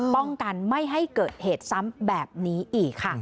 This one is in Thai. ป้องกันไม่ให้เกิดเหตุซ้ำแบบนี้อีกค่ะ